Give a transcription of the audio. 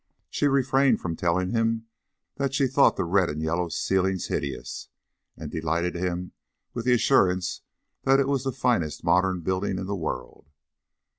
She refrained from telling him that she thought the red and yellow ceilings hideous, and delighted him with the assurance that it was the finest modern building in the world.